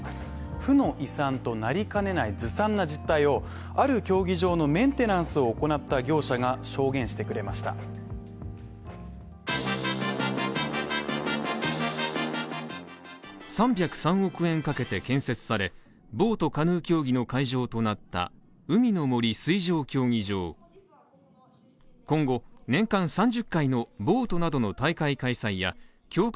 負の遺産となりかねないずさんな実態をある競技場のメンテナンスを行った業者が証言してくれました３０３億円かけて建設されボートカヌー競技の会場となった海の森水上競技場今後年間３０回のボートなどの大会開催や強化